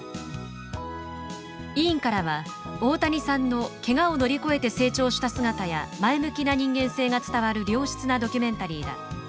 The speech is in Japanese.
委員からは「大谷さんのけがを乗り越えて成長した姿や前向きな人間性が伝わる良質なドキュメンタリーだ」